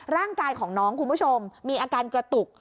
ร่างกายของน้องคุณผู้ชมมีอาการกระตุก